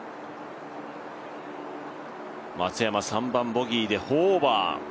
松山、３番ボギーで４オーバー